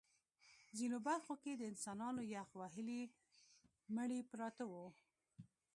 ځینو برخو کې د انسانانو یخ وهلي مړي پراته وو